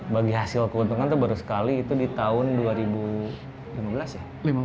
bagi hasil keuntungan itu baru sekali itu di tahun dua ribu lima belas ya